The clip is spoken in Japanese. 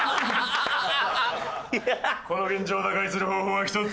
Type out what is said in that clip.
この現状を打開する方法は１つ。